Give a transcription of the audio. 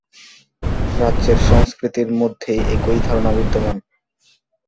প্রাচ্যের সংস্কৃতির মধ্যে একই ধারণা বিদ্যমান।